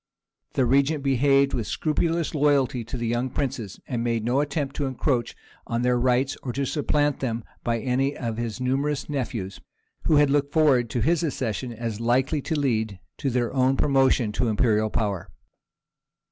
The regent behaved with scrupulous loyalty to the young princes, and made no attempt to encroach on their rights, or to supplant them by any of his numerous nephews, who had looked forward to his accession as likely to lead to their own promotion to imperial power.